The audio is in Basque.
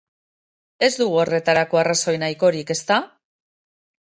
Ez dugu horretarako arrazoi nahikorik, ezta?